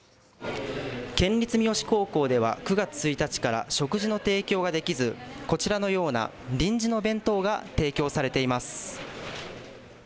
県立三次高校では、９月１日から食事の提供ができず、こちらのような臨時の弁当が提供されています。